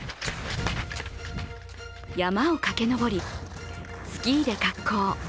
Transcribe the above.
山を駆け登り、スキーで滑降。